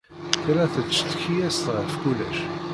Tella tettcetki-as-d ɣef kullec.